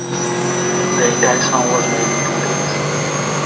The entire song was made in two days.